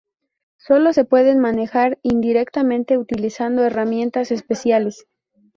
Sólo se pueden manejar indirectamente utilizando herramientas especiales.